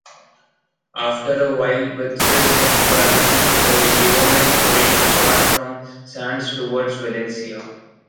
After a while, with Swiss punctuality, the Euromed train departs from Sants towards Valencia.